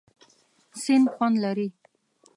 سیند خوند لري.